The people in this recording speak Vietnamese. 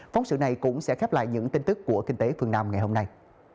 phóng sự này cũng sẽ khép lại những tin tức của kinh tế phương nam ngày hôm nay